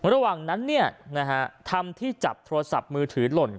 ระหว่างนั้นทำที่จับโทรศัพท์มือถือหล่น